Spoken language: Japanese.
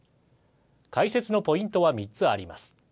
解説のポイントは３つあります。